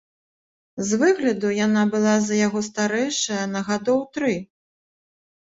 З выгляду яна была за яго старэйшая на гадоў тры.